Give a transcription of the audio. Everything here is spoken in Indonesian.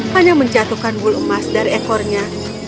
hanya menjatuhkan bulu emas dari ekornya